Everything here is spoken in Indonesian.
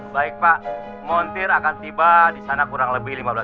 baik pak montir akan tiba disana kurang lebih lima belas menit lagi